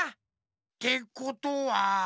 ってことは。